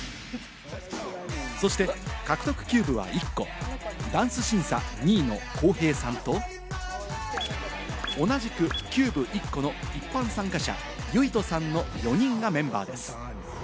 そして、獲得キューブは１個、ダンス審査２位のコウヘイさんと同じくキューブ１個の一般参加者・ユイトさんの４人がメンバーです。